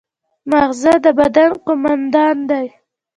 ماغزه د بدن قوماندان دی